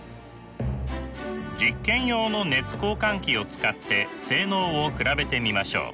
実験用の熱交換器を使って性能を比べてみましょう。